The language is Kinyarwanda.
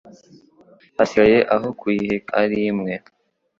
Hasigaye aho kuyiheka ari mwe